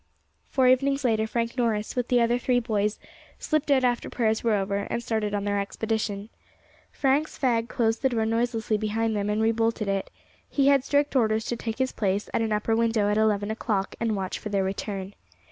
Four evenings later Frank Norris, with the other three boys, slipped out after prayers were over, and started on their expedition. Frank's fag closed the door noiselessly behind them and rebolted it; he had strict orders to take his place at an upper window at eleven o'clock and watch for their return.